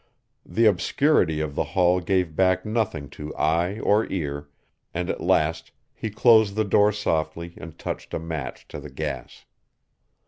The obscurity of the hall gave back nothing to eye or ear, and at last he closed the door softly and touched a match to the gas.